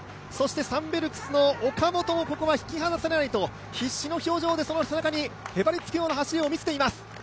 サンベルクスの岡本は引き離されまいと必死に表情で、その背中でへばりつくような走りを見せています。